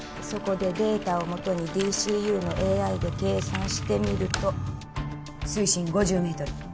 そこでデータをもとにＤＣＵのＡＩで計算してみると水深５０メートル